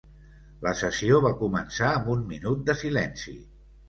La sessió va començar amb un minut de silenci.